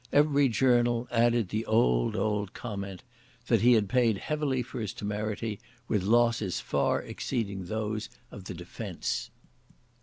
Every journal added the old old comment—that he had paid heavily for his temerity, with losses far exceeding those of the defence.